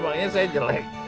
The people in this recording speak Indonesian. memangnya saya jelek